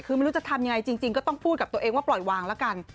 คือไม่รู้จะทำยังไงจริงก็ต้องพูดกับตัวเองว่าปล่อยวางละกัน